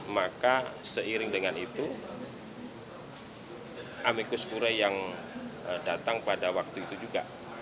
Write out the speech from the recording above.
maka seiring dengan itu amikus kure yang datang pada waktu itu juga